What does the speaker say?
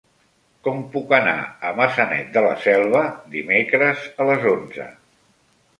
Com puc anar a Maçanet de la Selva dimecres a les onze?